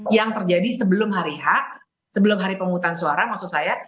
yang terjadi sebelum hari h sebelum hari pemungutan suara maksud saya